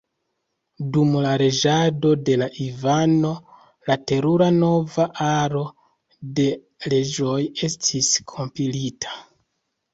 Dum la reĝado de Ivano la Terura nova aro de leĝoj estis kompilita.